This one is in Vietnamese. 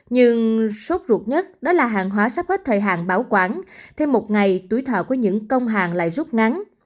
nhưng sốt ruột nhất đó là hàng hóa sắp hết thời hạn bảo quản thêm một ngày tuổi thọ của những công hàng lại rút ngắn